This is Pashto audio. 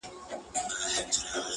• ژوند سرینده نه ده ـ چي بیا یې وږغوم ـ